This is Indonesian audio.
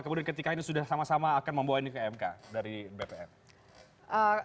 kemudian ketika ini sudah sama sama akan membawa ini ke mk dari bpn